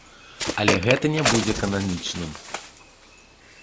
Але гэта не будзе кананічным.